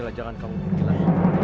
bella jangan kamu pergi lagi